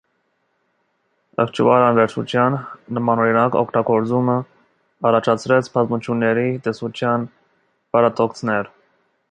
Ակտուալ անվերջության նմանօրինակ օգտագործումը առաջացրեց բազմությունների տեսության պարադոքսներ։